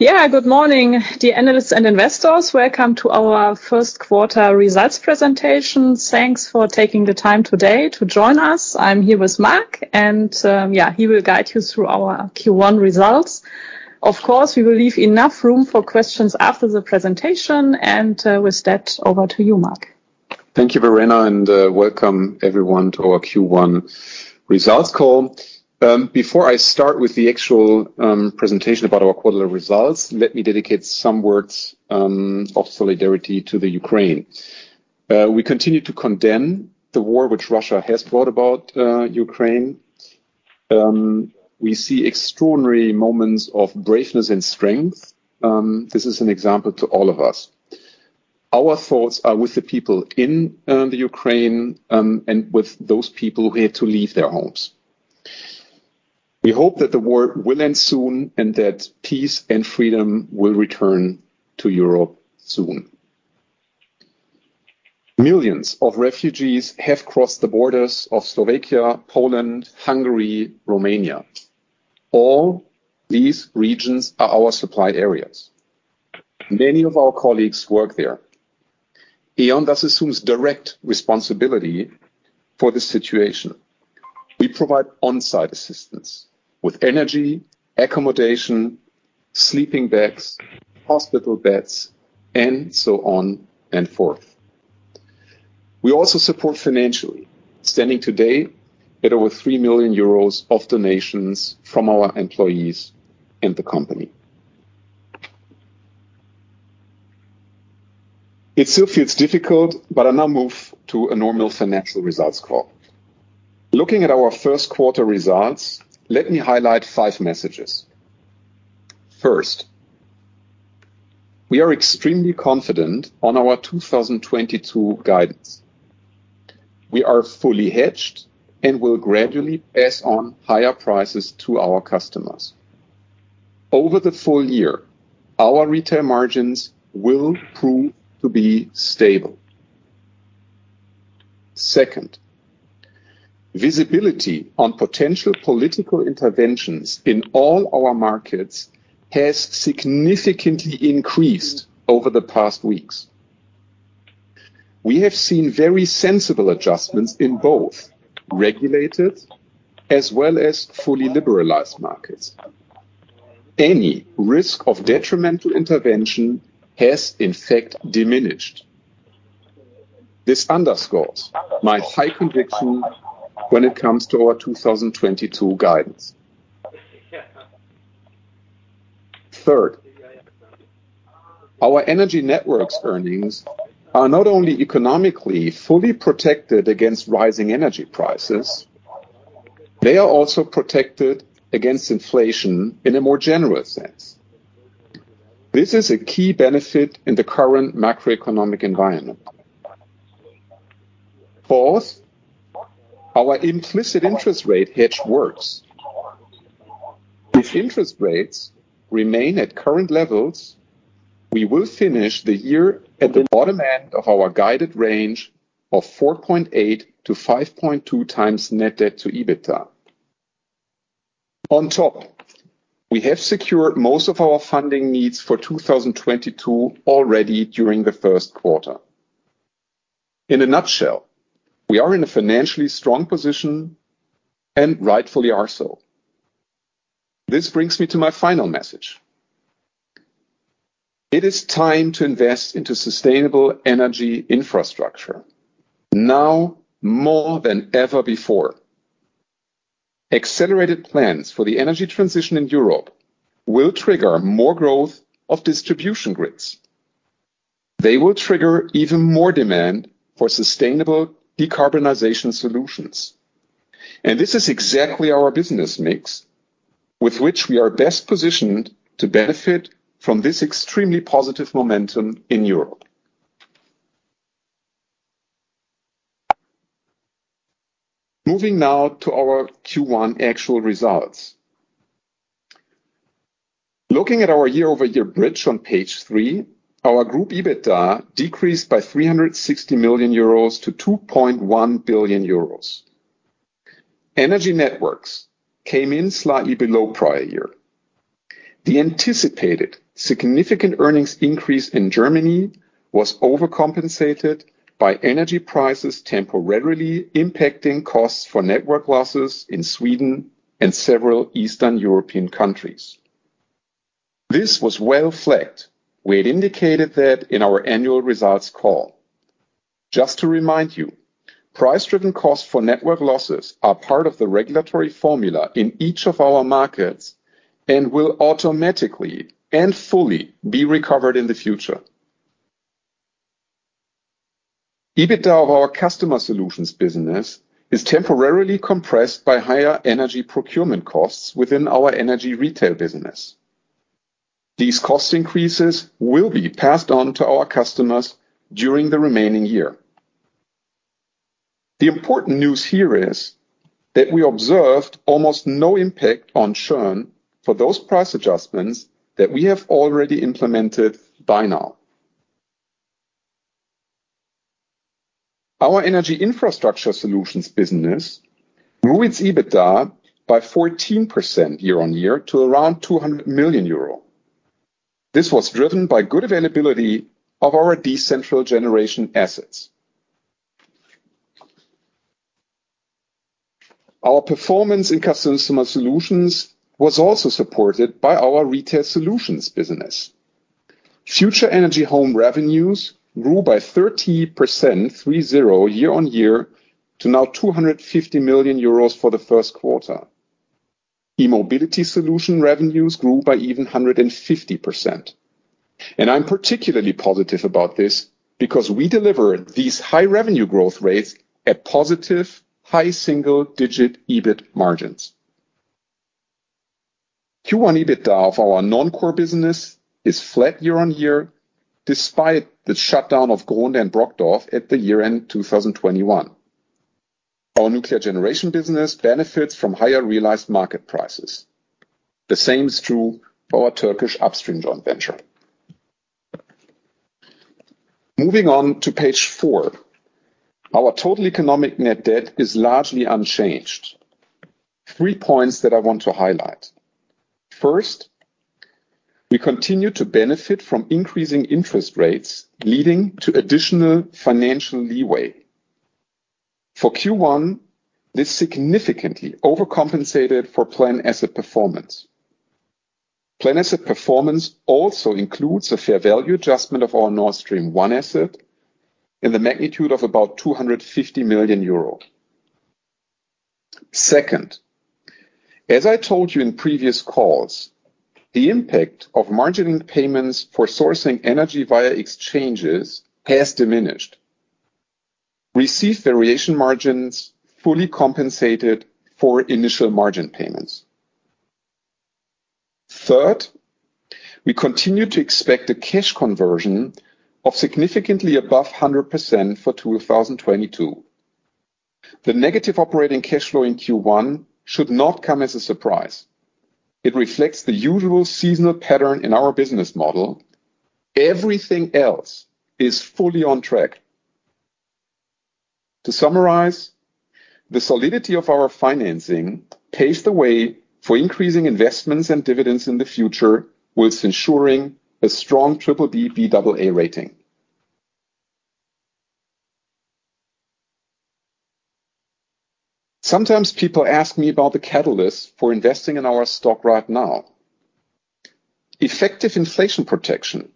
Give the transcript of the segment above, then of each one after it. Yeah. Good morning to the analysts and investors. Welcome to our first quarter results presentation. Thanks for taking the time today to join us. I'm here with Marc, and he will guide you through our Q1 results. Of course, we will leave enough room for questions after the presentation, and with that, over to you, Marc. Thank you, Verena, and welcome everyone to our Q1 results call. Before I start with the actual presentation about our quarterly results, let me dedicate some words of solidarity to the Ukraine. We continue to condemn the war which Russia has brought about Ukraine. We see extraordinary moments of braveness and strength. This is an example to all of us. Our thoughts are with the people in the Ukraine, and with those people who had to leave their homes. We hope that the war will end soon and that peace and freedom will return to Europe soon. Millions of refugees have crossed the borders of Slovakia, Poland, Hungary, Romania. All these regions are our supplied areas. Many of our colleagues work there. E.ON thus assumes direct responsibility for the situation. We provide on-site assistance with energy, accommodation, sleeping bags, hospital beds, and so on and so forth. We also support financially, standing today at over 3 million euros of donations from our employees and the company. It still feels difficult, but I now move to a normal financial results call. Looking at our first quarter results, let me highlight five messages. First, we are extremely confident on our 2022 guidance. We are fully hedged and will gradually pass on higher prices to our customers. Over the full year, our retail margins will prove to be stable. Second, visibility on potential political interventions in all our markets has significantly increased over the past weeks. We have seen very sensible adjustments in both regulated as well as fully liberalized markets. Any risk of detrimental intervention has in fact diminished. This underscores my high conviction when it comes to our 2022 guidance. Third, our energy networks earnings are not only economically fully protected against rising energy prices, they are also protected against inflation in a more general sense. This is a key benefit in the current macroeconomic environment. Fourth, our implicit interest rate hedge works. If interest rates remain at current levels, we will finish the year at the bottom end of our guided range of 4.8x-5.2x net debt to EBITDA. On top, we have secured most of our funding needs for 2022 already during the first quarter. In a nutshell, we are in a financially strong position and rightfully are so. This brings me to my final message. It is time to invest into sustainable energy infrastructure, now more than ever before. Accelerated plans for the energy transition in Europe will trigger more growth of distribution grids. They will trigger even more demand for sustainable decarbonization solutions. This is exactly our business mix with which we are best positioned to benefit from this extremely positive momentum in Europe. Moving now to our Q1 actual results. Looking at our year-over-year bridge on page three, our group EBITDA decreased by 360 million euros - 2.1 billion euros. Energy Networks came in slightly below prior year. The anticipated significant earnings increase in Germany was overcompensated by energy prices temporarily impacting costs for network losses in Sweden and several Eastern European countries. This was well flagged. We had indicated that in our annual results call. Just to remind you, price-driven costs for network losses are part of the regulatory formula in each of our markets and will automatically and fully be recovered in the future. EBITDA of our Customer Solutions business is temporarily compressed by higher energy procurement costs within our Energy Retail business. These cost increases will be passed on to our customers during the remaining year. The important news here is that we observed almost no impact on churn for those price adjustments that we have already implemented by now. Our Energy Infrastructure Solutions business grew its EBITDA by 14% year-on-year to around 200 million euro. This was driven by good availability of our decentral generation assets. Our performance in Customer Solutions was also supported by our retail solutions business. Future Energy Home revenues grew by 30%, year-on-year to 250 million euros for the first quarter. E-Mobility solution revenues grew by 150%. I'm particularly positive about this because we delivered these high revenue growth rates at positive high single-digit EBIT margins. Q1 EBITDA of our non-core business is flat year-on-year, despite the shutdown of Grohnde and Brokdorf at year-end 2021. Our nuclear generation business benefits from higher realized market prices. The same is true for our Turkish upstream joint venture. Moving on to page four. Our total economic net debt is largely unchanged. Three points that I want to highlight. First, we continue to benefit from increasing interest rates, leading to additional financial leeway. For Q1, this significantly overcompensated for plan asset performance. Plan assets performance also includes a fair value adjustment of our Nord Stream 1 asset in the magnitude of about 250 million euro. Second, as I told you in previous calls, the impact of margining payments for sourcing energy via exchanges has diminished. Received variation margins fully compensated for initial margin payments. Third, we continue to expect a cash conversion of significantly above 100% for 2022. The negative operating cash flow in Q1 should not come as a surprise. It reflects the usual seasonal pattern in our business model. Everything else is fully on track. To summarize, the solidity of our financing paves the way for increasing investments and dividends in the future, while ensuring a strong BBB, Baa rating. Sometimes people ask me about the catalyst for investing in our stock right now. Effective inflation protection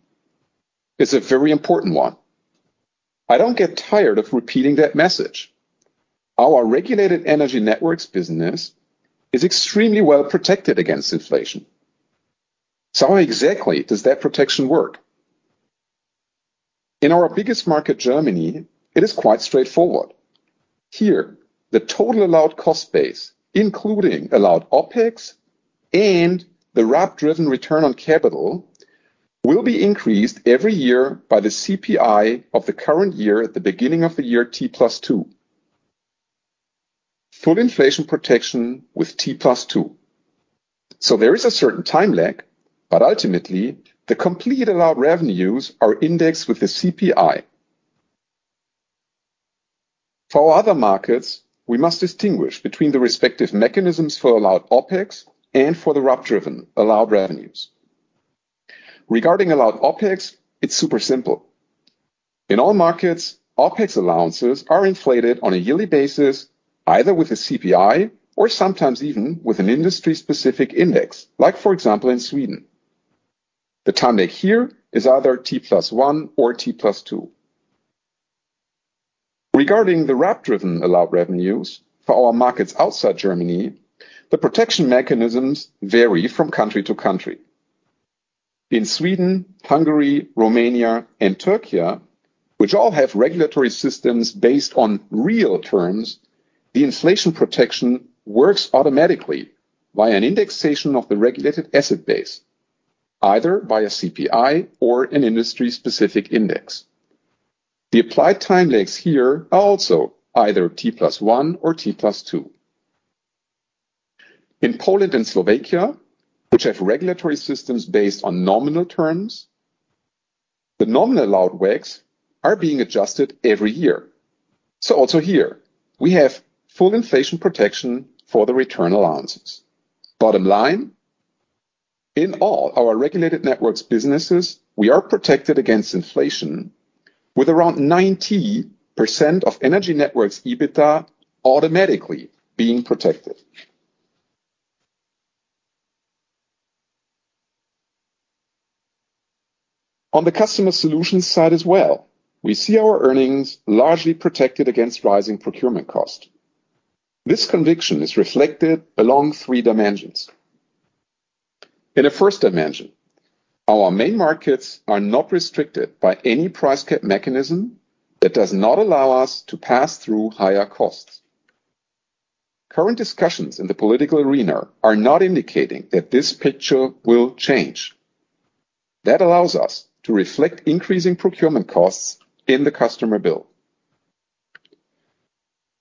is a very important one. I don't get tired of repeating that message. Our regulated energy networks business is extremely well-protected against inflation. How exactly does that protection work? In our biggest market, Germany, it is quite straightforward. Here, the total allowed cost base, including allowed OpEx and the RAB-driven return on capital, will be increased every year by the CPI of the current year at the beginning of the year T plus two. Full inflation protection with T plus two. There is a certain time lag, but ultimately, the complete allowed revenues are indexed with the CPI. For our other markets, we must distinguish between the respective mechanisms for allowed OpEx and for the RAB-driven allowed revenues. Regarding allowed OpEx, it's super simple. In all markets, OpEx allowances are inflated on a yearly basis, either with a CPI or sometimes even with an industry-specific index, like for example, in Sweden. The time lag here is either T plus one or T plus two. Regarding the RAB-driven allowed revenues for our markets outside Germany, the protection mechanisms vary from country to country. In Sweden, Hungary, Romania, and Turkey, which all have regulatory systems based on real terms, the inflation protection works automatically via an indexation of the regulated asset base, either via CPI or an industry-specific index. The applied time lags here are also either T plus one or T plus two. In Poland and Slovakia, which have regulatory systems based on nominal terms, the nominal allowed WACC are being adjusted every year. Also here we have full inflation protection for the return allowances. Bottom line, in all our regulated networks businesses, we are protected against inflation, with around 90% of energy networks EBITDA automatically being protected. On the customer solutions side as well, we see our earnings largely protected against rising procurement cost. This conviction is reflected along three dimensions. In a first dimension, our main markets are not restricted by any price cap mechanism that does not allow us to pass through higher costs. Current discussions in the political arena are not indicating that this picture will change. That allows us to reflect increasing procurement costs in the customer bill.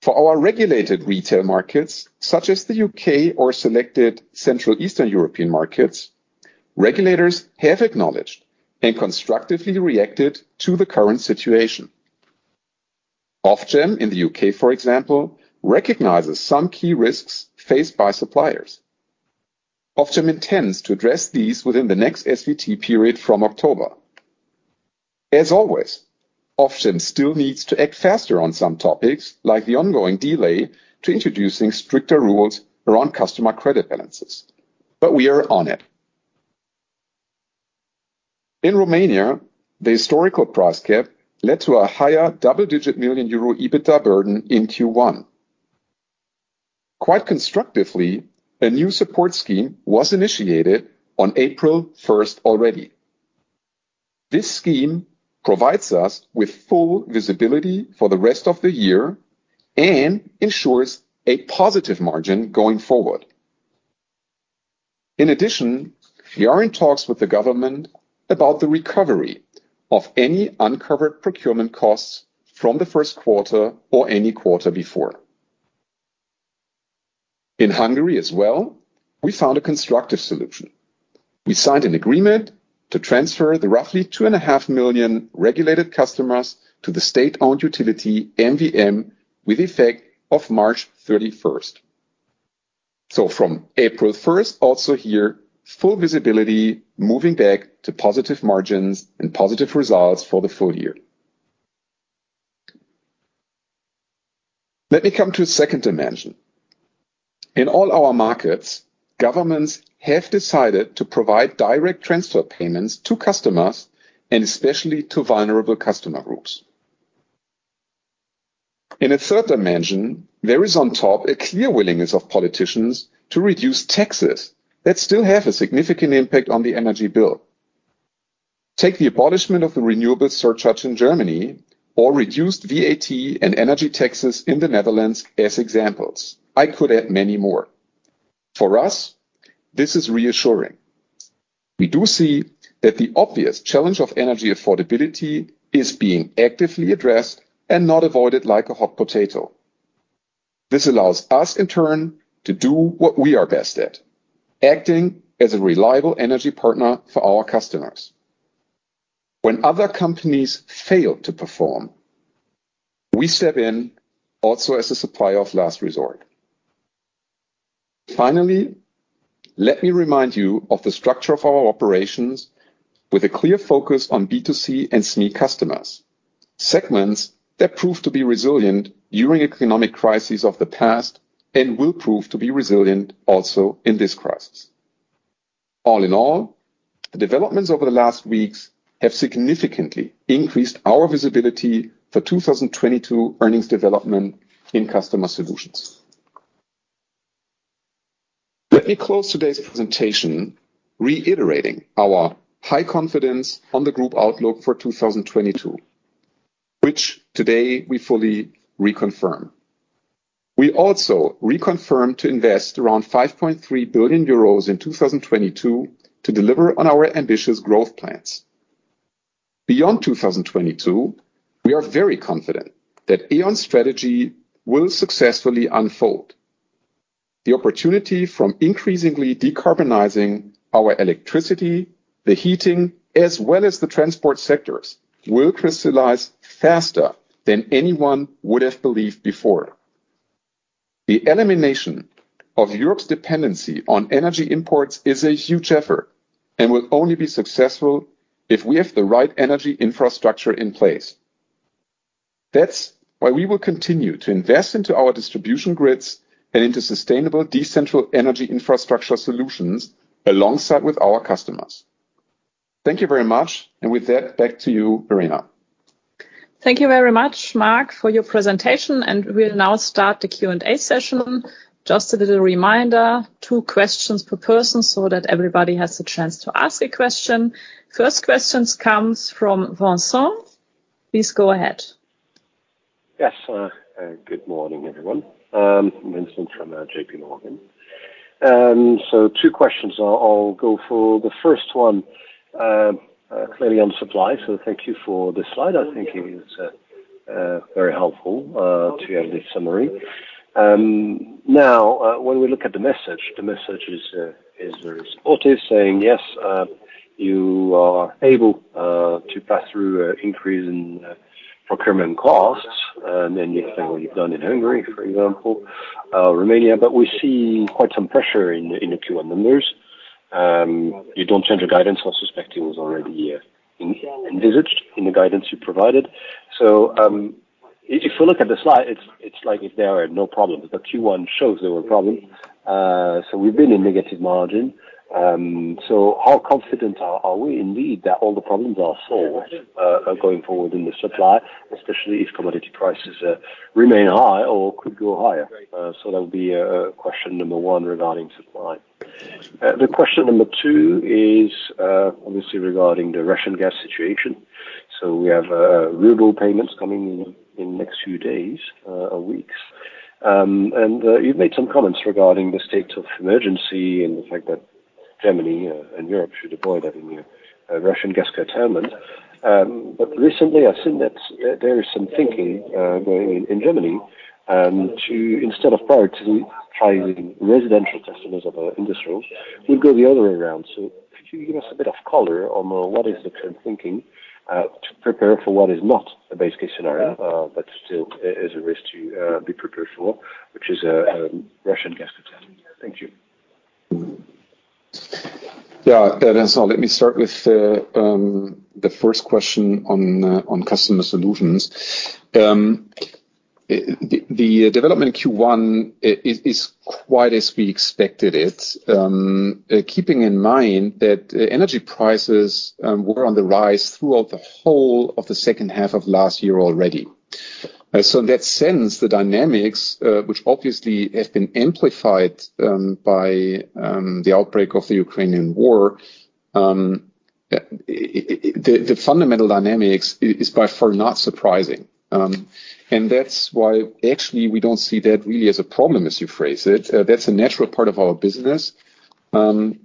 For our regulated retail markets, such as the U.K. or selected Central Eastern European markets, regulators have acknowledged and constructively reacted to the current situation. Ofgem in the U.K., for example, recognizes some key risks faced by suppliers. Ofgem intends to address these within the next SVT period from October. As always, Ofgem still needs to act faster on some topics, like the ongoing delay to introducing stricter rules around customer credit balances. We are on it. In Romania, the historical price cap led to a higher double-digit million EUR EBITDA burden in Q1. Quite constructively, a new support scheme was initiated on April 1 already. This scheme provides us with full visibility for the rest of the year and ensures a positive margin going forward. In addition, we are in talks with the government about the recovery of any uncovered procurement costs from the first quarter or any quarter before. In Hungary as well, we found a constructive solution. We signed an agreement to transfer the roughly 2.5 million regulated customers to the state-owned utility MVM with effect of March 31. From April first, also here, full visibility, moving back to positive margins and positive results for the full year. Let me come to a second dimension. In all our markets, governments have decided to provide direct transfer payments to customers and especially to vulnerable customer groups. In a third dimension, there is on top a clear willingness of politicians to reduce taxes that still have a significant impact on the energy bill. Take the abolishment of the renewable surcharge in Germany or reduced VAT and energy taxes in the Netherlands as examples. I could add many more. For us, this is reassuring. We do see that the obvious challenge of energy affordability is being actively addressed and not avoided like a hot potato. This allows us in turn to do what we are best at, acting as a reliable energy partner for our customers. When other companies fail to perform, we step in also as a supplier of last resort. Finally, let me remind you of the structure of our operations with a clear focus on B2C and SME customers, segments that prove to be resilient during economic crises of the past and will prove to be resilient also in this crisis. All in all, the developments over the last weeks have significantly increased our visibility for 2022 earnings development in Customer Solutions. Let me close today's presentation reiterating our high confidence on the group outlook for 2022, which today we fully reconfirm. We also reconfirm to invest around 5.3 billion euros in 2022 to deliver on our ambitious growth plans. Beyond 2022, we are very confident that E.ON's strategy will successfully unfold. The opportunity from increasingly decarbonizing our electricity, the heating, as well as the transport sectors, will crystallize faster than anyone would have believed before. The elimination of Europe's dependency on energy imports is a huge effort and will only be successful if we have the right energy infrastructure in place. That's why we will continue to invest into our distribution grids and into sustainable, decentralized Energy Infrastructure Solutions alongside with our customers. Thank you very much. With that, back to you, Verena. Thank you very much, Marc, for your presentation. We'll now start the Q&A session. Just a little reminder, two questions per person so that everybody has a chance to ask a question. First question comes from Vincent. Please go ahead. Yes. Good morning, everyone. I'm Vincent from J.P. Morgan. Two questions. I'll go for the first one, clearly on supply. Thank you for this slide. I think it is very helpful to have this summary. Now, when we look at the message, the message is very supportive saying, yes, you are able to pass through increase in procurement costs, and you explain what you've done in Hungary, for example, Romania. We're seeing quite some pressure in the Q1 numbers. You don't change your guidance. I suspect it was already envisaged in the guidance you provided. If you look at the slide, it's like if there are no problems. The Q1 shows there were problems. We've been in negative margin. How confident are we indeed that all the problems are solved going forward in the supply, especially if commodity prices remain high or could go higher? That would be question number one regarding supply. The question number two is obviously regarding the Russian gas situation. We have ruble payments coming in in next few days or weeks. You've made some comments regarding the state of emergency and the fact that Germany and Europe should avoid having a Russian gas curtailment. Recently I've seen that there is some thinking going on in Germany to instead of prioritizing residential customers over industrials, we go the other way around. Could you give us a bit of color on what is the current thinking to prepare for what is not a base case scenario, but still is a risk to be prepared for, which is a Russian gas curtailment? Thank you. Yeah. So let me start with the first question on Customer Solutions. The development in Q1 is quite as we expected it. Keeping in mind that energy prices were on the rise throughout the whole of the second half of last year already. So in that sense, the dynamics which obviously have been amplified by the outbreak of the Ukrainian war, the fundamental dynamics is by far not surprising. That's why actually we don't see that really as a problem, as you phrase it. That's a natural part of our business. I'm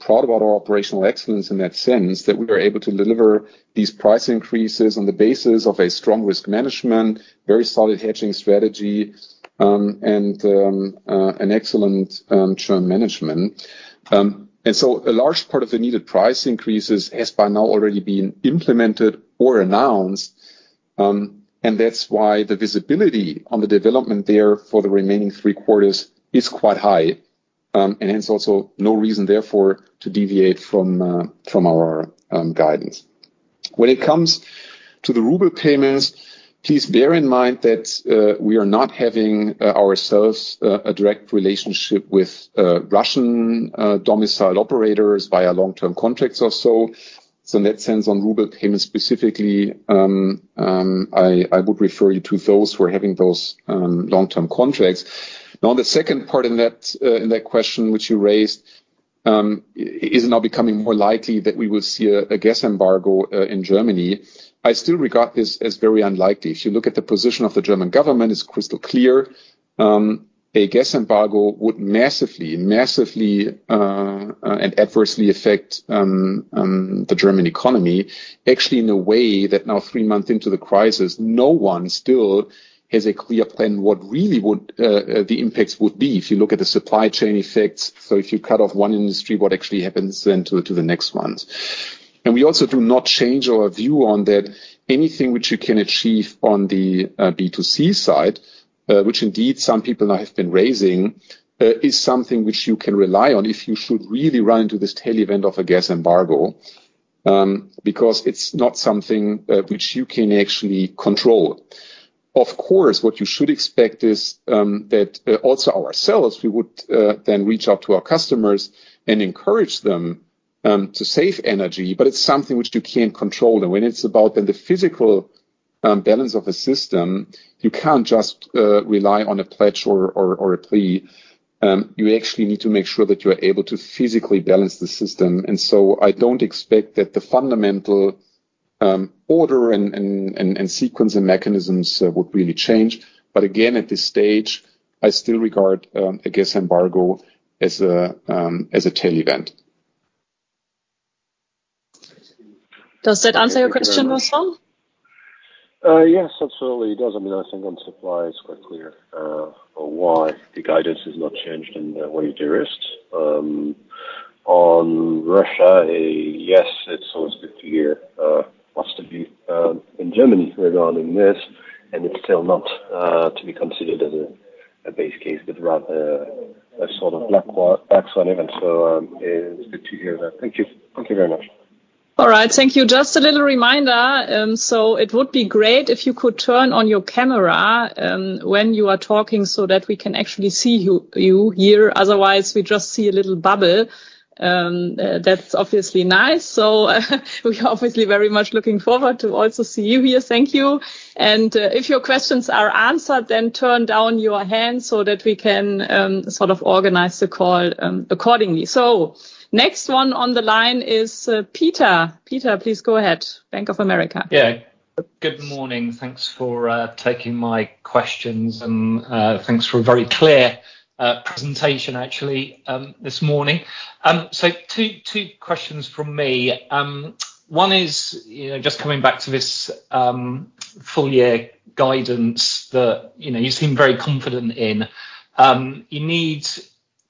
proud about our operational excellence in that sense, that we were able to deliver these price increases on the basis of a strong risk management, very solid hedging strategy, and an excellent churn management. A large part of the needed price increases has by now already been implemented or announced, and that's why the visibility on the development there for the remaining three quarters is quite high. Hence also no reason therefore to deviate from our guidance. When it comes to the ruble payments, please bear in mind that we are not having ourselves a direct relationship with Russian-domiciled operators via long-term contracts or so. In that sense, on ruble payments specifically, I would refer you to those who are having those long-term contracts. Now, on the second part in that question which you raised, is it now becoming more likely that we will see a gas embargo in Germany? I still regard this as very unlikely. If you look at the position of the German government, it's crystal clear. A gas embargo would massively and adversely affect the German economy actually in a way that now three months into the crisis, no one still has a clear plan what the impacts would be if you look at the supply chain effects. If you cut off one industry, what actually happens then to the next ones. We also do not change our view on that anything which you can achieve on the B2C side, which indeed some people now have been raising, is something which you can rely on if you should really run into this tail event of a gas embargo, because it's not something which you can actually control. Of course, what you should expect is that also ourselves, we would then reach out to our customers and encourage them to save energy, but it's something which you can't control. When it's about then the physical balance of a system, you can't just rely on a pledge or a plea. You actually need to make sure that you are able to physically balance the system. I don't expect that the fundamental order and sequence and mechanisms would really change. Again, at this stage, I still regard a gas embargo as a tail event. Does that answer your question, Marcel? Yes, absolutely. It does. I mean, I think on supply it's quite clear why the guidance has not changed and why you de-risked. On Russia, yes, it's always good to hear what's the view in Germany regarding this, and it's still not to be considered as a base case, but rather a sort of black swan event. It's good to hear that. Thank you. Thank you very much. All right. Thank you. Just a little reminder, it would be great if you could turn on your camera, when you are talking so that we can actually see you here. Otherwise we just see a little bubble. That's obviously nice. We are obviously very much looking forward to also see you here. Thank you. If your questions are answered then turn down your hand so that we can sort of organize the call, accordingly. Next one on the line is, Peter. Peter, please go ahead. Bank of America. Yeah. Good morning. Thanks for taking my questions and thanks for a very clear presentation actually this morning. Two questions from me. One is, you know, just coming back to this full year guidance that, you know, you seem very confident in. You need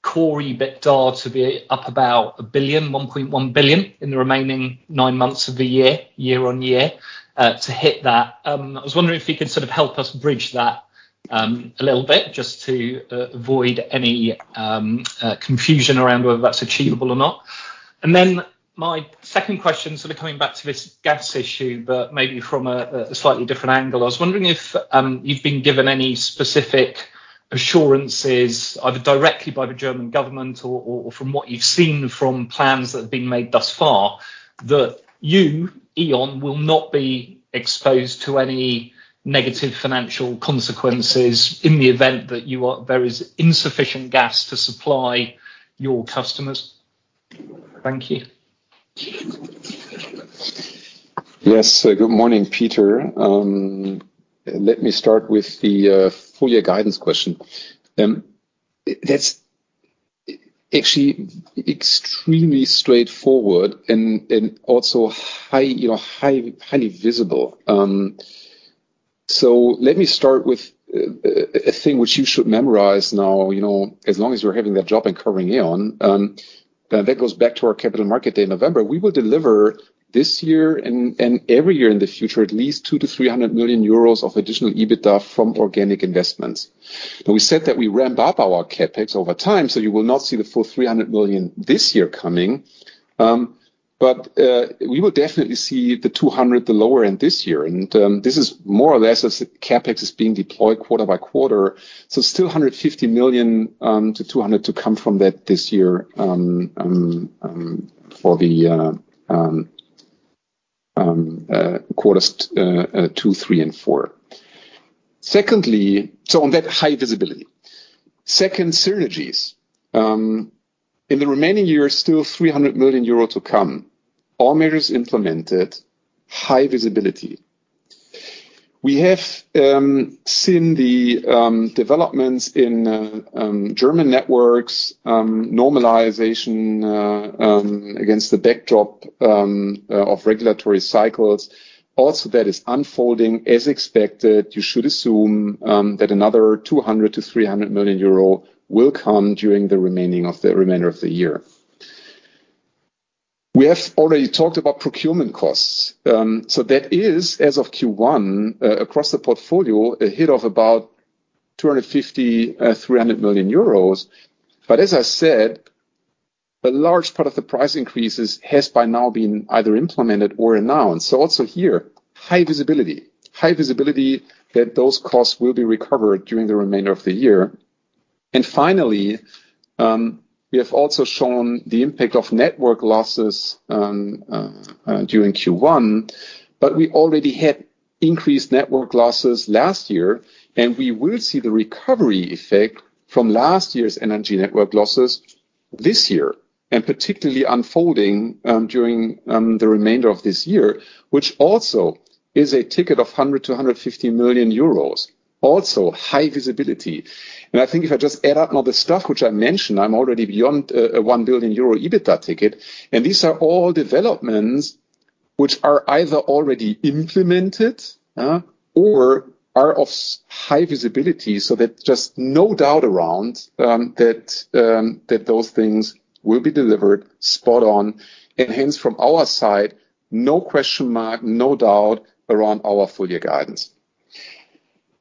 core EBITDA to be up about 1 billion, 1.1 billion in the remaining nine months of the year year-on-year to hit that. I was wondering if you could sort of help us bridge that a little bit just to avoid any confusion around whether that's achievable or not. My second question, sort of coming back to this gas issue, but maybe from a slightly different angle. I was wondering if you've been given any specific assurances, either directly by the German government or from what you've seen from plans that have been made thus far, that you, E.ON, will not be exposed to any negative financial consequences in the event that there is insufficient gas to supply your customers. Thank you. Yes. Good morning, Peter. Let me start with the full year guidance question. That's actually extremely straightforward and also, you know, highly visible. Let me start with a thing which you should memorize now, you know, as long as you're having that job in current E.ON, that goes back to our capital market day in November. We will deliver this year and every year in the future, at least 200-300 million euros of additional EBITDA from organic investments. Now, we said that we ramp up our CapEx over time, so you will not see the full 300 million this year coming. We will definitely see the 200, the lower end this year. This is more or less as CapEx is being deployed quarter by quarter. Still 150 million-200 million to come from that this year for the quarters two, three, and four. Secondly on that high visibility. Second, synergies. In the remaining years, still 300 million euro to come. All measures implemented, high visibility. We have seen the developments in German networks, normalization against the backdrop of regulatory cycles. That is unfolding as expected. You should assume that another 200 million-300 million euro will come during the remainder of the year. We have already talked about procurement costs. That is, as of Q1, across the portfolio, a hit of about 250 million-300 million euros. As I said, a large part of the price increases has by now been either implemented or announced. Also here, high visibility. High visibility that those costs will be recovered during the remainder of the year. Finally, we have also shown the impact of network losses during Q1, but we already had increased network losses last year, and we will see the recovery effect from last year's energy network losses this year, and particularly unfolding during the remainder of this year, which also is a ticket of 100 million-150 million euros. Also, high visibility. I think if I just add up all the stuff which I mentioned, I'm already beyond a 1 billion euro EBITDA ticket. These are all developments which are either already implemented, or are of high visibility, so that just no doubt around, that those things will be delivered spot on. Hence from our side, no question mark, no doubt around our full year guidance.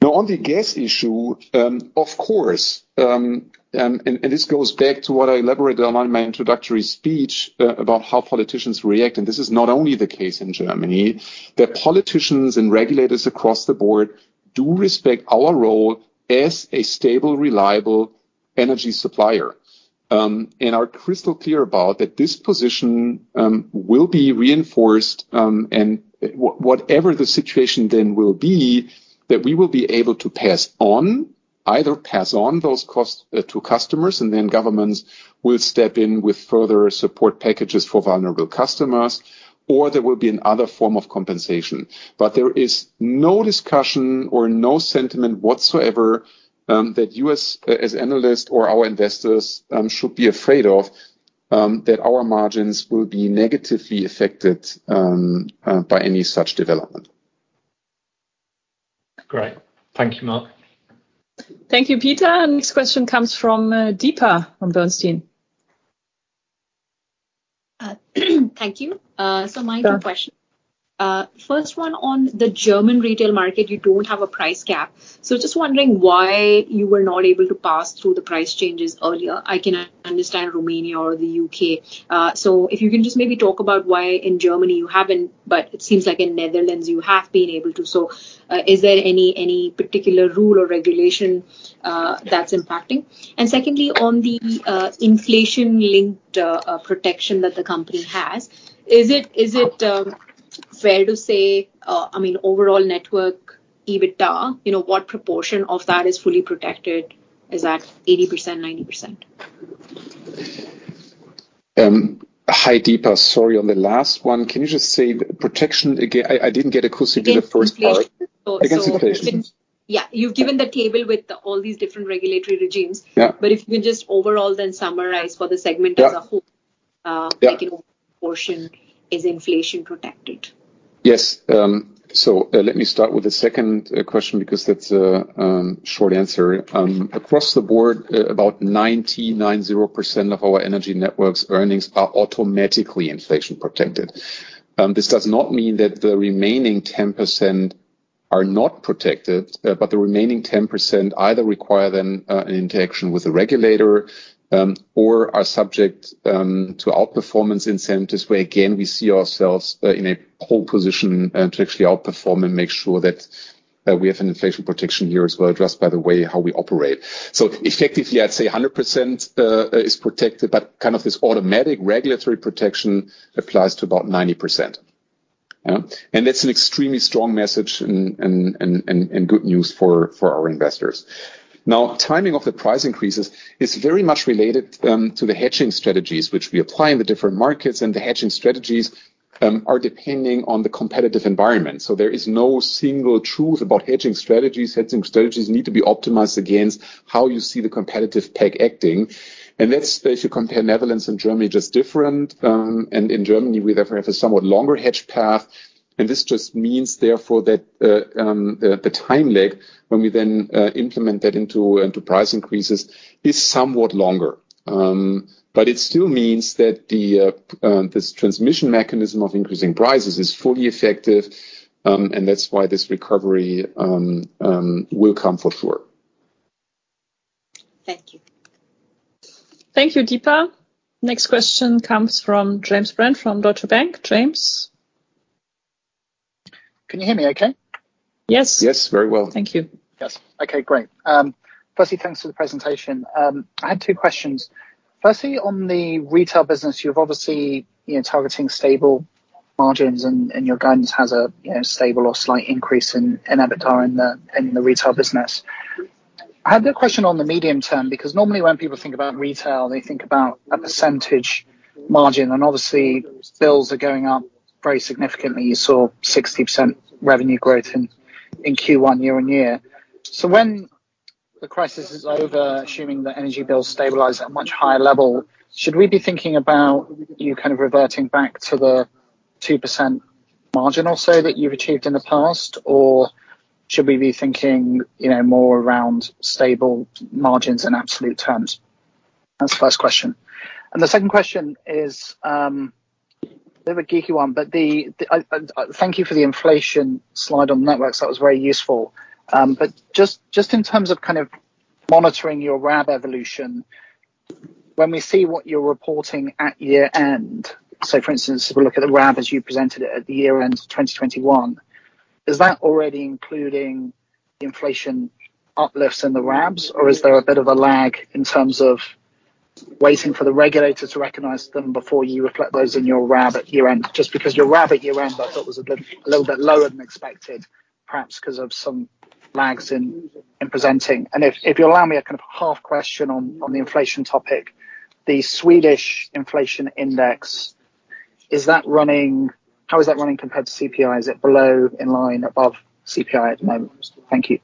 Now, on the gas issue, of course, this goes back to what I elaborated on in my introductory speech about how politicians react, and this is not only the case in Germany, that politicians and regulators across the board do respect our role as a stable, reliable energy supplier. We are crystal clear about that this position will be reinforced, and whatever the situation then will be that we will be able to pass on those costs to customers, and then governments will step in with further support packages for vulnerable customers, or there will be another form of compensation. There is no discussion or no sentiment whatsoever that you as analysts or our investors should be afraid of that our margins will be negatively affected by any such development. Great. Thank you, Marc. Thank you, Peter. Next question comes from Deepa from Bernstein. Thank you. My two questions. First one on the German retail market, you don't have a price cap. Just wondering why you were not able to pass through the price changes earlier. I can understand Romania or the U.K.. If you can just maybe talk about why in Germany you haven't, but it seems like in Netherlands you have been able to. Is there any particular rule or regulation that's impacting? Secondly, on the inflation-linked protection that the company has, is it fair to say, I mean overall network EBITDA, you know, what proportion of that is fully protected? Is that 80%, 90%? Hi, Deepa. Sorry on the last one. I didn't get acoustically the first part. Against inflation. Against inflation. Yeah. You've given the table with all these different regulatory regimes. Yeah. If you can just overall then summarize for the segment as a whole. Yeah... uh- Yeah Like, you know, proportion is inflation protected. Yes. So, let me start with the second question because that's short answer. Across the board, about 99.0% of our Energy Networks earnings are automatically inflation protected. This does not mean that the remaining 10% are not protected, but the remaining 10% either require then an interaction with the regulator, or are subject to outperformance incentives, where again, we see ourselves in a pole position to actually outperform and make sure that we have an inflation protection here as well, addressed by the way how we operate. Effectively, I'd say 100% is protected, but kind of this automatic regulatory protection applies to about 90%. That's an extremely strong message and good news for our investors. Now timing of the price increases is very much related to the hedging strategies which we apply in the different markets, and the hedging strategies are depending on the competitive environment. There is no single truth about hedging strategies. Hedging strategies need to be optimized against how you see the competitive pack acting. That's if you compare Netherlands and Germany, just different, and in Germany, we therefore have a somewhat longer hedge path. This just means therefore that the time lag when we then implement that into price increases is somewhat longer. It still means that this transmission mechanism of increasing prices is fully effective, and that's why this recovery will come for sure. Thank you. Thank you, Deepa. Next question comes from James Brand from Deutsche Bank. James? Can you hear me okay? Yes. Yes, very well. Thank you. Yes. Okay, great. Firstly, thanks for the presentation. I had two questions. Firstly, on the retail business, you're obviously, you know, targeting stable margins and your guidance has a, you know, stable or slight increase in EBITDA in the retail business. I had a question on the medium term, because normally when people think about retail, they think about a percentage margin, and obviously bills are going up very significantly. You saw 60% revenue growth in Q1 year-over-year. When the crisis is o ver, assuming the energy bills stabilize at a much higher level, should we be thinking about you kind of reverting back to the 2% margin or so that you've achieved in the past? Or should we be thinking, you know, more around stable margins in absolute terms? That's the first question. The second question is a bit of a geeky one. Thank you for the inflation slide on networks. That was very useful. But just in terms of kind of monitoring your RAB evolution, when we see what you're reporting at year-end, so for instance, if we look at the RAB as you presented it at the year-end of 2021, is that already including inflation uplifts in the RABs? Or is there a bit of a lag in terms of waiting for the regulator to recognize them before you reflect those in your RAB at year-end? Just because your RAB at year-end I thought was a bit, a little bit lower than expected, perhaps 'cause of some lags in presenting. If you'll allow me a kind of half question on the inflation topic, the Swedish inflation index, is that running? How is that running compared to CPI? Is it below, in line, above CPI at the moment? Thank you.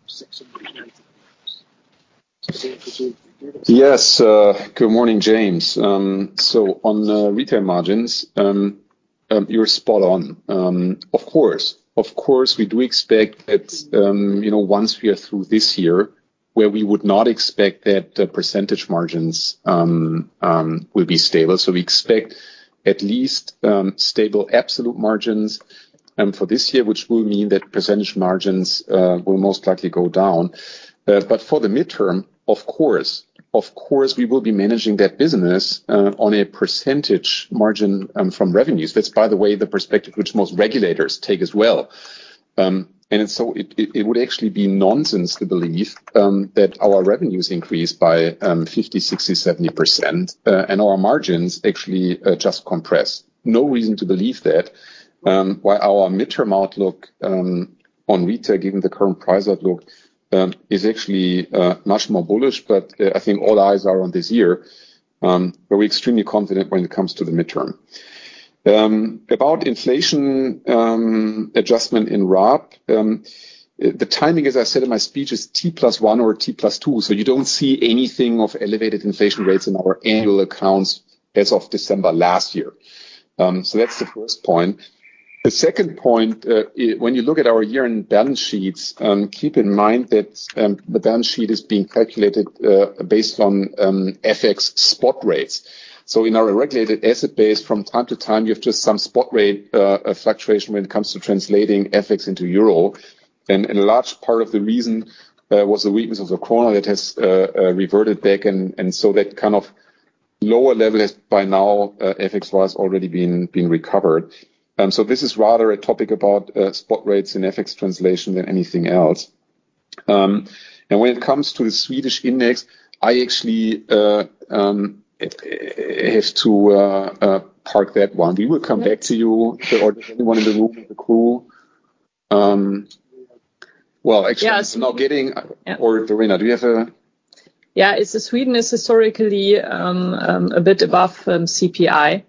Yes. Good morning, James. On retail margins, you're spot on. Of course, we do expect that, you know, once we are through this year, where we would not expect that the percentage margins will be stable. We expect at least stable absolute margins for this year, which will mean that percentage margins will most likely go down. For the midterm, of course, we will be managing that business on a percentage margin from revenues. That's by the way, the perspective which most regulators take as well. It would actually be nonsense to believe that our revenues increase by 50%, 60%, 70%, and our margins actually just compress. No reason to believe that. While our midterm outlook on retail, given the current price outlook, is actually much more bullish, but I think all eyes are on this year. We're extremely confident when it comes to the midterm. About inflation adjustment in RAB, the timing, as I said in my speech, is T plus one or T plus two, so you don't see anything of elevated inflation rates in our annual accounts as of December last year. That's the first point. The second point, when you look at our year-end balance sheets, keep in mind that the balance sheet is being calculated based on FX spot rates. In our regulated asset base, from time to time, you have just some spot rate fluctuation when it comes to translating FX into euro. A large part of the reason was the weakness of the crown that has reverted back, and so that kind of lower level has by now, FX-wise, already been recovered. This is rather a topic about spot rates in FX translation than anything else. When it comes to the Swedish index, I actually have to park that one. We will come back to you or anyone in the room, the crew. Well, actually. Yeah. Verena, do you have a? Yeah, in Sweden it's historically a bit above CPI,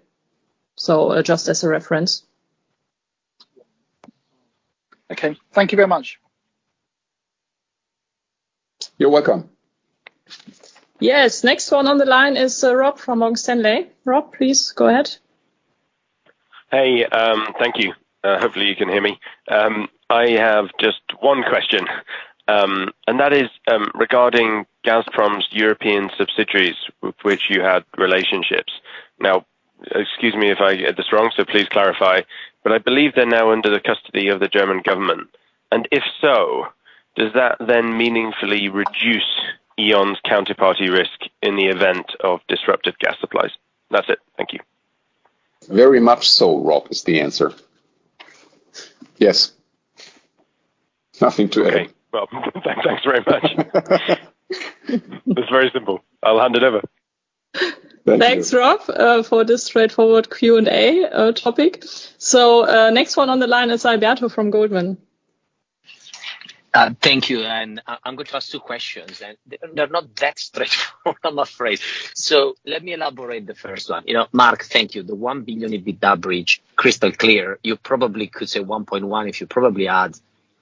so just as a reference. Okay. Thank you very much. You're welcome. Yes. Next one on the line is, Rob from Morgan Stanley. Rob, please go ahead. Hey, thank you. Hopefully you can hear me. I have just one question, and that is, regarding Gazprom's European subsidiaries with which you had relationships. Now, excuse me if I get this wrong, so please clarify, but I believe they're now under the custody of the German government. If so, does that then meaningfully reduce E.ON's counterparty risk in the event of disruptive gas supplies? That's it. Thank you. Very much so, Rob, is the answer. Yes. Nothing to add. Okay. Well, thanks very much. It's very simple. I'll hand it over. Thanks, Rob, for this straightforward Q&A topic. Next one on the line is Alberto from Goldman Sachs. Thank you, I'm going to ask two questions, and they're not that straightforward, I'm afraid. Let me elaborate the first one. You know, Mark, thank you. The 1 billion EBITDA bridge, crystal clear. You probably could say 1.1 billion if you probably add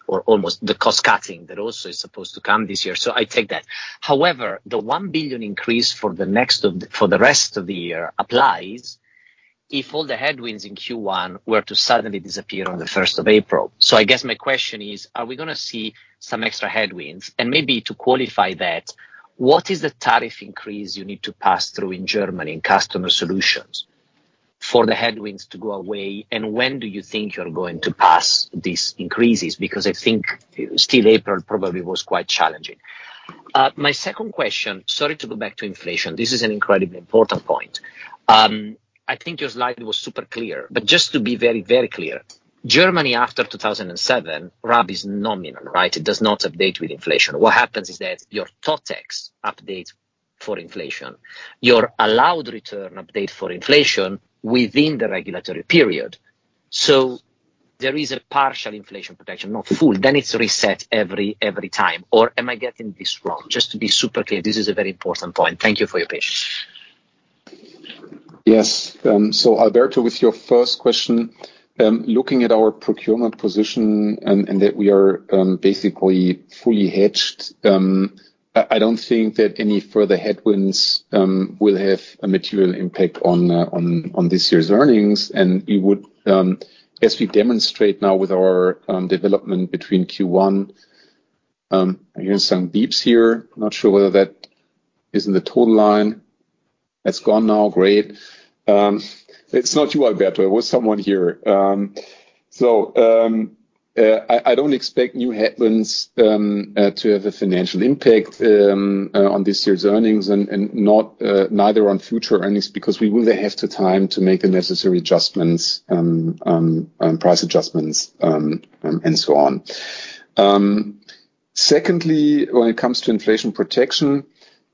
or almost the cost cutting that also is supposed to come this year. I take that. However, the 1 billion increase for the next, for the rest of the year applies if all the headwinds in Q1 were to suddenly disappear on the first of April. I guess my question is, are we gonna see some extra headwinds? Maybe to qualify that, what is the tariff increase you need to pass through in Germany in Customer Solutions for the headwinds to go away? When do you think you're going to pass these increases? Because I think still April probably was quite challenging. My second question, sorry to go back to inflation. This is an incredibly important point. I think your slide was super clear, but just to be very, very clear, Germany after 2007, RAB is nominal, right? It does not update with inflation. What happens is that your TOTEX updates for inflation. Your allowed return update for inflation within the regulatory period. So there is a partial inflation protection, not full, then it's reset every time. Or am I getting this wrong? Just to be super clear, this is a very important point. Thank you for your patience. Yes. So Alberto, with your first question, looking at our procurement position and that we are basically fully hedged, I don't think that any further headwinds will have a material impact on this year's earnings. We would, as we demonstrate now with our development between Q1. I hear some beeps here. Not sure whether that is in the phone line. That's gone now. Great. It's not you, Alberto. It was someone here. I don't expect new headwinds to have a financial impact on this year's earnings and not neither on future earnings, because we will have the time to make the necessary adjustments, price adjustments, and so on. Secondly, when it comes to inflation protection,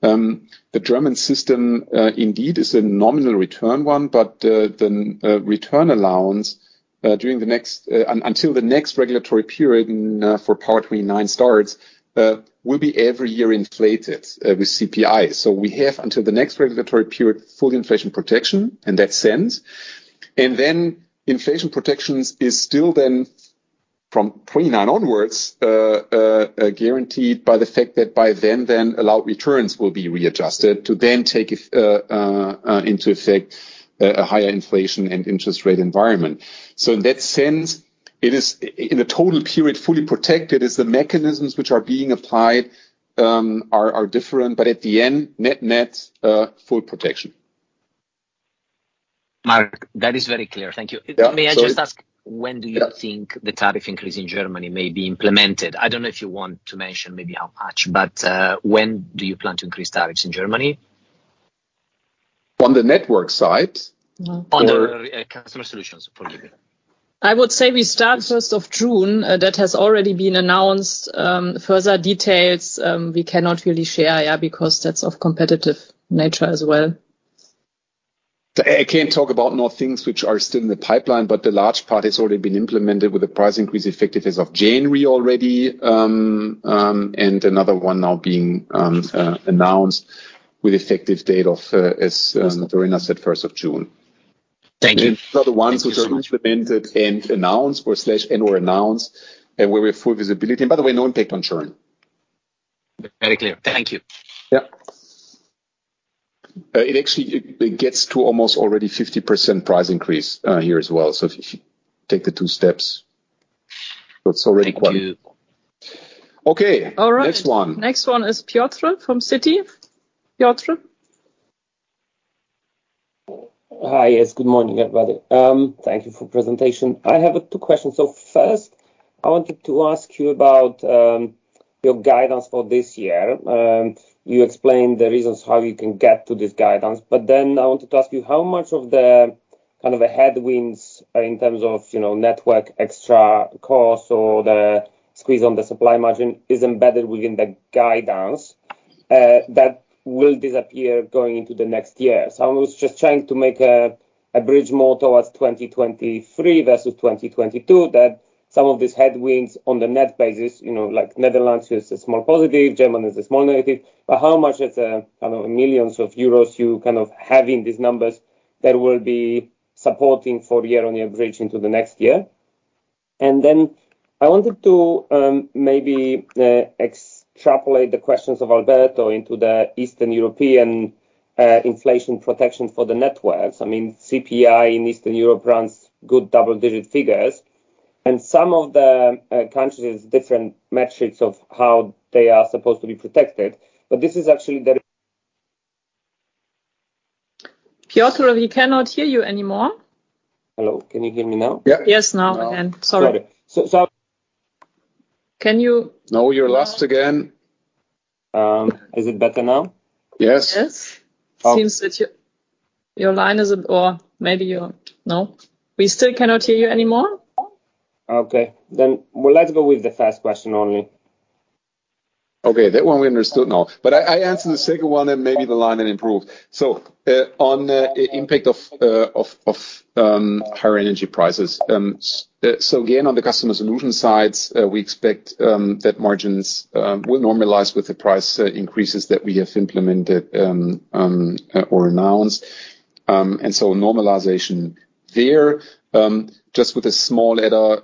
the German system indeed is a nominal return one, but the return allowance during the next until the next regulatory period and for Power 29 starts will be every year inflated with CPI. We have until the next regulatory period, full inflation protection in that sense. Inflation protection is still then from Power 29 onwards guaranteed by the fact that by then allowed returns will be readjusted to then take into effect a higher inflation and interest rate environment. In that sense, it is in a total period, fully protected. It's the mechanisms which are being applied are different. At the end, net-net, full protection. Mark, that is very clear. Thank you. Yeah. May I just ask? Yeah. When do you think the tariff increase in Germany may be implemented? I don't know if you want to mention maybe how much, but, when do you plan to increase tariffs in Germany? On the network side? On the Customer Solutions portfolio. I would say we start first of June. That has already been announced. Further details, we cannot really share, yeah, because that's of competitive nature as well. I can't talk about new things which are still in the pipeline, but a large part has already been implemented with the price increase effective as of January already. Another one now being announced with effective date of, as Verena said, first of June. Thank you. These are the ones which are implemented and announced, and where we have full visibility. By the way, no impact on churn. Very clear. Thank you. Yeah. It actually gets to almost already 50% price increase here as well. If you take the two steps, that's already quite. Thank you. Okay. All right. Next one. Next one is Piotr from Citi. Piotr? Hi. Yes, good morning, everybody. Thank you for presentation. I have two questions. First, I wanted to ask you about your guidance for this year. You explained the reasons how you can get to this guidance. I wanted to ask you how much of the, kind of, the headwinds in terms of, you know, network extra costs or the squeeze on the supply margin is embedded within the guidance that will disappear going into the next year. I was just trying to make a bridge more towards 2023 versus 2022, that some of these headwinds on the net basis, you know, like Netherlands is a small positive, Germany is a small negative. How much is, I don't know, millions of euros you kind of have in these numbers that will be supporting for year-on-year bridge into the next year? I wanted to maybe extrapolate the questions of Alberto into the Eastern European inflation protection for the networks. I mean, CPI in Eastern Europe runs good double-digit figures, and some of the countries, different metrics of how they are supposed to be protected. This is actually the. Piotr, we cannot hear you anymore. Hello, can you hear me now? Yeah. Yes, now I can. Sorry. Sorry. Can you. No, you're lost again. Is it better now? Yes. Yes. Seems that your line isn't. No? We still cannot hear you anymore. Okay, well, let's go with the first question only. Okay, that one we understood now, but I answered the second one and maybe the line had improved. On the impact of higher energy prices. Again, on the Customer Solutions side, we expect that margins will normalize with the price increases that we have implemented or announced, and normalization there, just with a small adder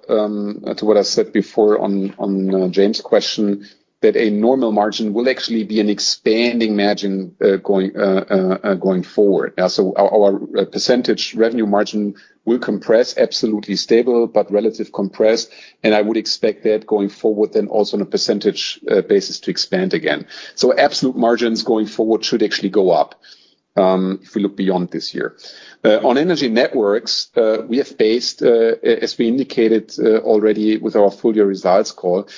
to what I said before on James' question, that a normal margin will actually be an expanding margin going forward. Our percentage revenue margin will compress absolutely stable, but relative compressed, and I would expect that going forward then also on a percentage basis to expand again. Absolute margins going forward should actually go up, if we look beyond this year. On Energy Networks, as we indicated already with our full-year results call,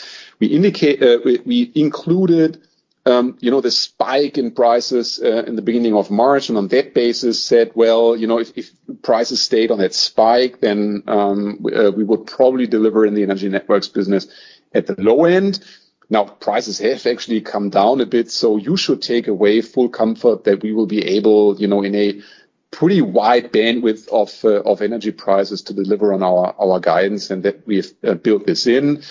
we included, you know, the spike in prices in the beginning of March, and on that basis said, "Well, you know, if prices stayed on that spike then, we would probably deliver in the Energy Networks business at the low end." Now, prices have actually come down a bit, so you should take away full comfort that we will be able, you know, in a pretty wide bandwidth of energy prices to deliver on our guidance and that we have built this in.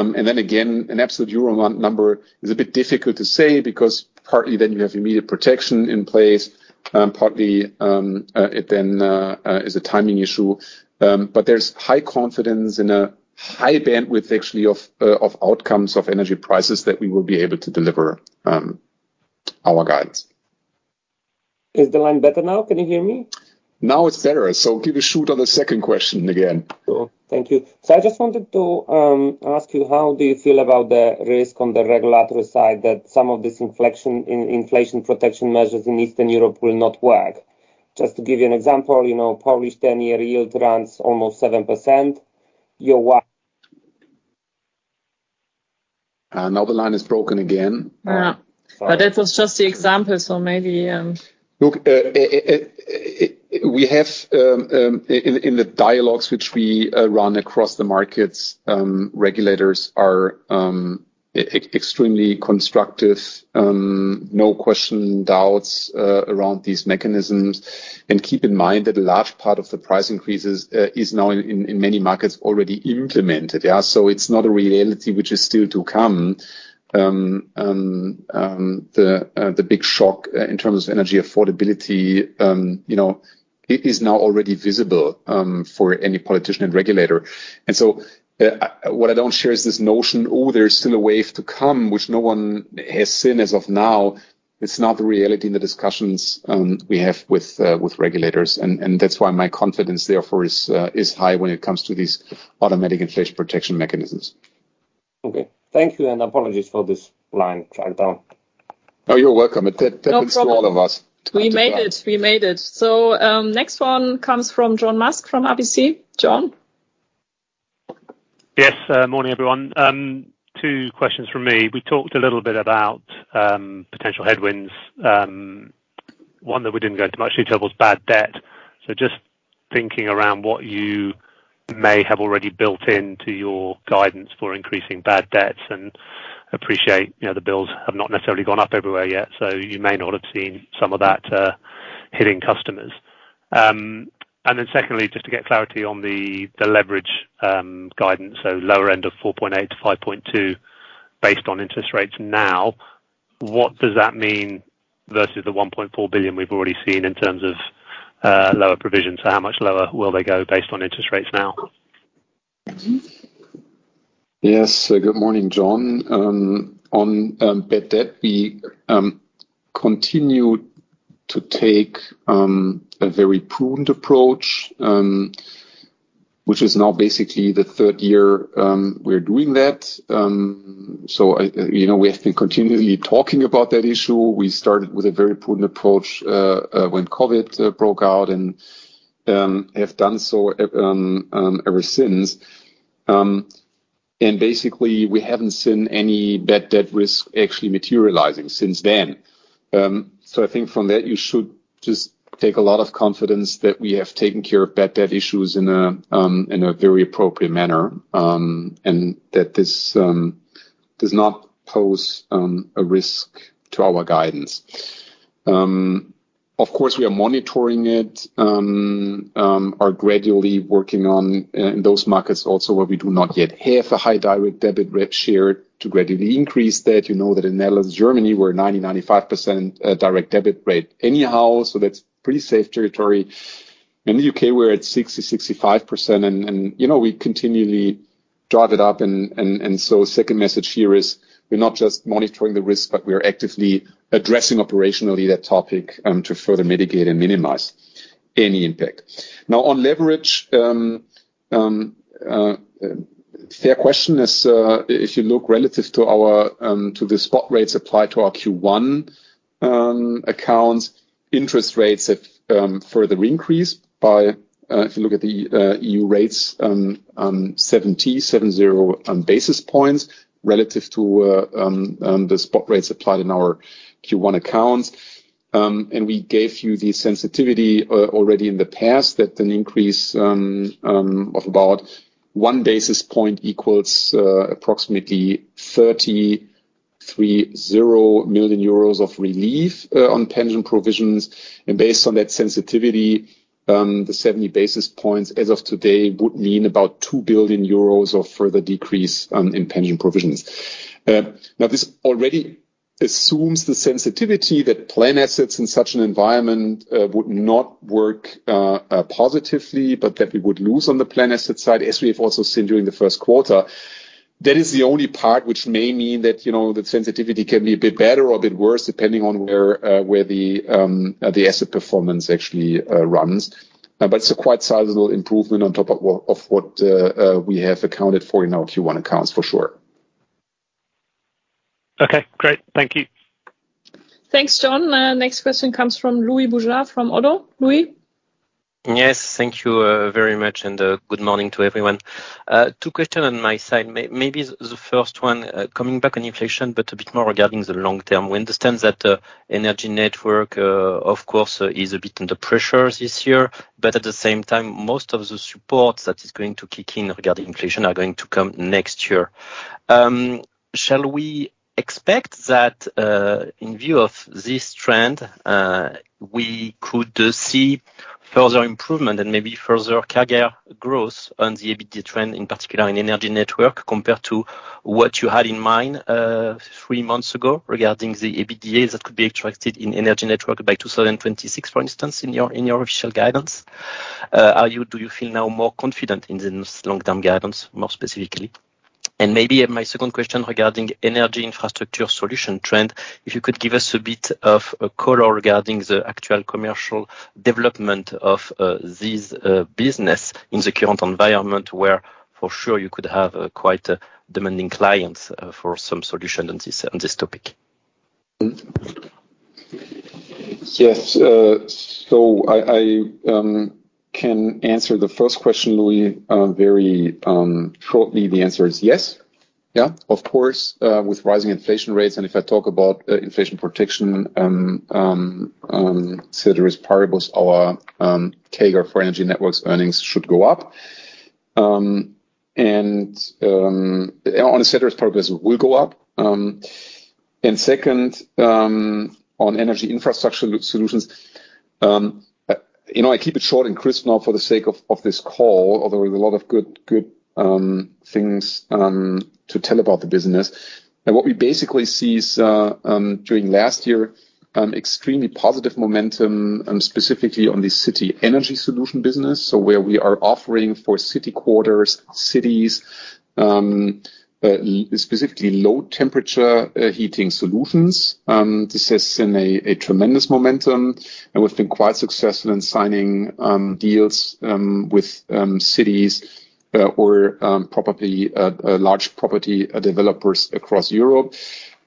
An absolute EUR number is a bit difficult to say because partly then you have immediate protection in place, partly it then is a timing issue. There's high confidence in a high bandwidth actually of outcomes of energy prices that we will be able to deliver our guidance. Is the line better now? Can you hear me? Now it's better. Give a shot on the second question again. Cool. Thank you. I just wanted to ask you, how do you feel about the risk on the regulatory side that some of this inflection in inflation protection measures in Eastern Europe will not work? Just to give you an example, you know, Polish 10-year yield runs almost 7%. Your w. Now the line is broken again. Yeah. That was just the example, so maybe. Look, we have in the dialogues which we run across the markets, regulators are extremely constructive, no question, doubts around these mechanisms. Keep in mind that a large part of the price increases is now in many markets already implemented, yeah? It's not a reality which is still to come. The big shock in terms of energy affordability, you know, it is now already visible for any politician and regulator. What I don't share is this notion, oh, there's still a wave to come which no one has seen as of now. It's not the reality in the discussions we have with regulators. That's why my confidence therefore is high when it comes to these automatic inflation protection mechanisms. Okay. Thank you, and apologies for this line breakdown. No, you're welcome. It happens. No problem. to all of us. We made it. Next one comes from John Musk from RBC. John? Yes. Morning, everyone. Two questions from me. We talked a little bit about potential headwinds. One that we didn't go into much detail was bad debt. Just thinking around what you may have already built into your guidance for increasing bad debts and appreciate, you know, the bills have not necessarily gone up everywhere yet. You may not have seen some of that hitting customers. And then secondly, just to get clarity on the leverage guidance, lower end of 4.8%-5.2% based on interest rates now, what does that mean versus the 1.4 billion we've already seen in terms of lower provisions? How much lower will they go based on interest rates now? Yes. Good morning, John. On bad debt, we continue to take a very prudent approach, which is now basically the third year we're doing that. You know, we have been continually talking about that issue. We started with a very prudent approach when COVID broke out and have done so ever since. Basically, we haven't seen any bad debris actually materializing since then. I think from that, you should just take a lot of confidence that we have taken care of bad debt issues in a very appropriate manner, and that this does not pose a risk to our guidance. Of course, we are monitoring it, are gradually working on in those markets also where we do not yet have a high direct debit rate share to gradually increase that. You know that in Netherlands, Germany, we're 90%-95% direct debit rate anyhow, so that's pretty safe territory. In the U.K., we're at 60%-65%, and you know, we continually drive it up. Second message here is we're not just monitoring the risk, but we are actively addressing operationally that topic to further mitigate and minimize any impact. Now, on leverage, fair question is, if you look relative to the spot rates applied to our Q1 accounts, interest rates have further increased by, if you look at the euro rates, 70 basis points relative to the spot rates applied in our Q1 accounts. We gave you the sensitivity already in the past that an increase of about one basis point equals approximately 33 million euros of relief on pension provisions. Based on that sensitivity, the 70 basis points as of today would mean about 2 billion euros of further decrease in pension provisions. Now this already assumes the sensitivity that plan assets in such an environment would not work positively, but that we would lose on the plan asset side, as we have also seen during the first quarter. That is the only part which may mean that, you know, the sensitivity can be a bit better or a bit worse depending on where the asset performance actually runs. It's a quite sizable improvement on top of what we have accounted for in our Q1 accounts, for sure. Okay, great. Thank you. Thanks, John. Next question comes from Louis Boujard from ODDO BHF. Louis? Yes, thank you very much and good morning to everyone. Two questions on my side. Maybe the first one, coming back on inflation but a bit more regarding the long term. We understand that Energy Networks, of course, is a bit under pressure this year, but at the same time, most of the support that is going to kick in regarding inflation are going to come next year. Shall we expect that, in view of this trend, we could see further improvement and maybe further CAGR growth on the EBITDA trend in particular in Energy Networks compared to what you had in mind three months ago regarding the EBITDA that could be achieved in Energy Networks by 2026, for instance, in your official guidance? Do you feel now more confident in this long-term guidance, more specifically? Maybe my second question regarding Energy Infrastructure Solutions trend, if you could give us a bit of a color regarding the actual commercial development of this business in the current environment where for sure you could have quite demanding clients for some solution on this topic. Yes. So I can answer the first question, Louis. Very shortly the answer is yes. Yeah. Of course, with rising inflation rates, and if I talk about inflation protection, ceteris paribus, our CAGR for Energy Networks earnings should go up. And on ceteris paribus will go up. Second, on Energy Infrastructure Solutions, you know, I keep it short and crisp now for the sake of this call, although there's a lot of good things to tell about the business. What we basically see is, during last year, extremely positive momentum, specifically on the city energy solution business. Where we are offering for city quarters, cities, specifically low temperature heating solutions. This has seen a tremendous momentum, and we've been quite successful in signing deals with cities or large property developers across Europe.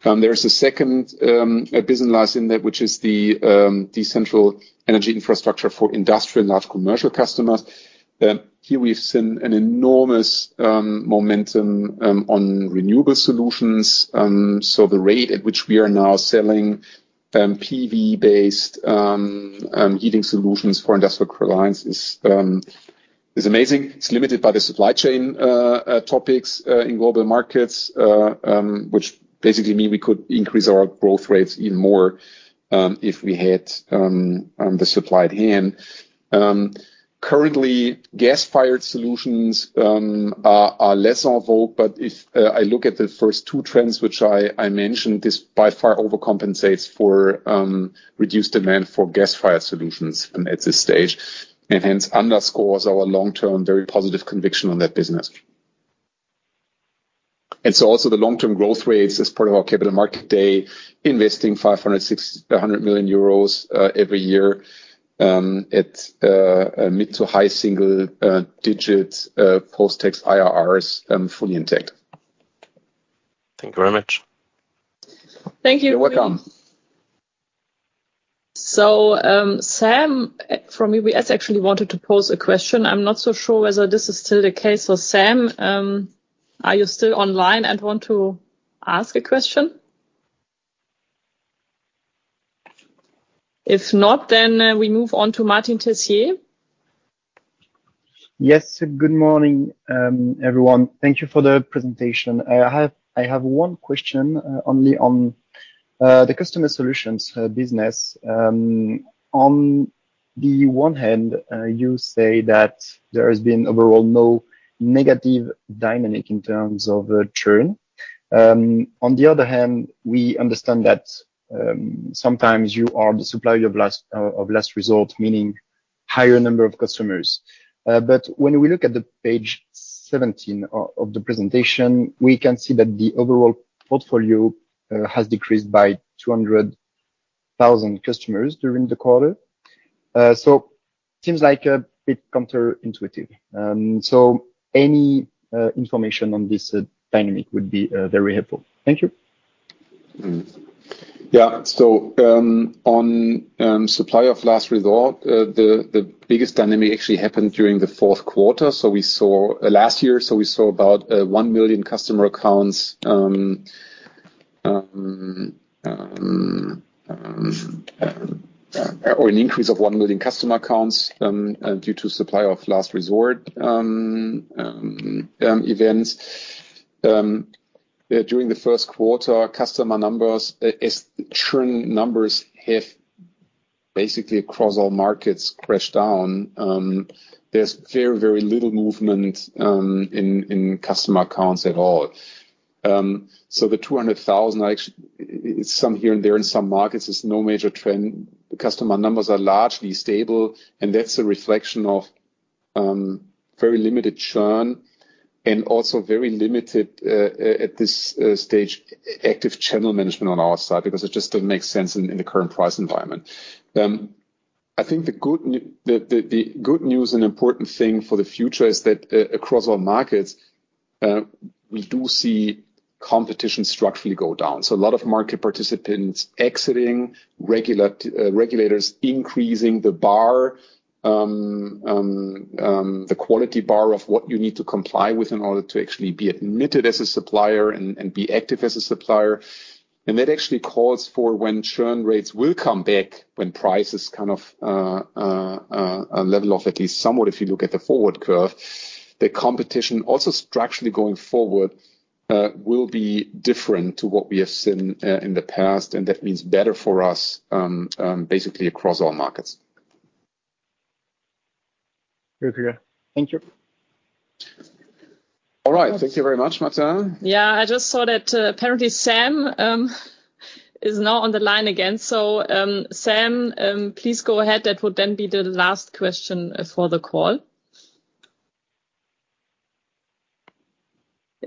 There's a second business line in that, which is the central energy infrastructure for industrial and large commercial customers. Here we've seen an enormous momentum on renewable solutions. The rate at which we are now selling PV-based heating solutions for industrial clients is amazing. It's limited by the supply chain topics in global markets, which basically mean we could increase our growth rates even more, if we had the supply at hand. Currently, gas-fired solutions are less on hold, but if I look at the first two trends which I mentioned, this by far overcompensates for reduced demand for gas-fired solutions at this stage, and hence underscores our long-term very positive conviction on that business. Also the long-term growth rates as part of our capital market day, investing 500-600 million euros every year at mid- to high-single-digit post-tax IRRs, fully intact. Thank you very much. Thank you. You're welcome. Sam from UBS actually wanted to pose a question. I'm not so sure whether this is still the case. Sam, are you still online and want to ask a question? If not, we move on to Martin Tessier. Yes. Good morning, everyone. Thank you for the presentation. I have one question only on the Customer Solutions business. On the one hand, you say that there has been overall no negative dynamic in terms of churn. On the other hand, we understand that sometimes you are the supplier of last resort, meaning higher number of customers. When we look at the page 17 of the presentation, we can see that the overall portfolio has decreased by 200,000 customers during the quarter. Seems like a bit counterintuitive. Any information on this dynamic would be very helpful. Thank you. On supplier of last resort, the biggest dynamic actually happened during the fourth quarter. Last year, we saw about one million customer accounts or an increase of one million customer accounts due to supplier of last resort events. During the first quarter, customer numbers, as churn numbers have basically crashed down across all markets, there's very little movement in customer accounts at all. The 200,000 are actually some here and there in some markets. There's no major trend. The customer numbers are largely stable, and that's a reflection of very limited churn and also very limited at this stage active channel management on our side because it just doesn't make sense in the current price environment. I think the good news and important thing for the future is that across all markets we do see competition structurally go down. So a lot of market participants exiting, regulators increasing the bar, the quality bar of what you need to comply with in order to actually be admitted as a supplier and be active as a supplier. That actually calls for when churn rates will come back, when prices kind of level off at least somewhat if you look at the forward curve. The competition also structurally going forward will be different to what we have seen in the past, and that means better for us, basically across all markets. Okay. Thank you. All right. Thank you very much, Martin. Yeah, I just saw that, apparently Sam is now on the line again. Sam, please go ahead. That would then be the last question for the call.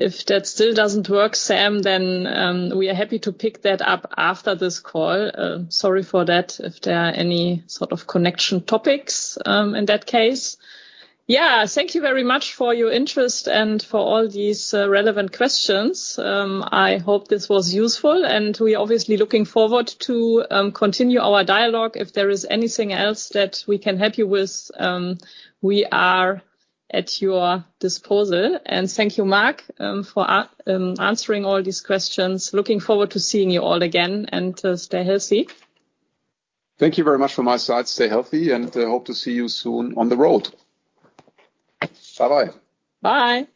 If that still doesn't work, Sam, then we are happy to pick that up after this call. Sorry for that if there are any sort of connection topics, in that case. Yeah, thank you very much for your interest and for all these relevant questions. I hope this was useful, and we're obviously looking forward to continue our dialogue. If there is anything else that we can help you with, we are at your disposal. Thank you, Mark, for answering all these questions. Looking forward to seeing you all again, and stay healthy. Thank you very much from my side. Stay healthy, and hope to see you soon on the road. Bye-bye. Bye.